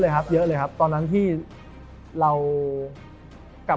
ทำให้ตัวเราก็คือจากปุ๊บของทีมกับวงพระช้าง